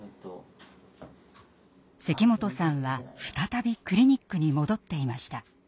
関本さんは再びクリニックに戻っていました。